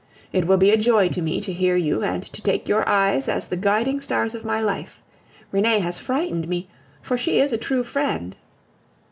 It will be a joy to me to hear you and to take your eyes as the guiding stars of my life. Renee has frightened me, for she is a true friend."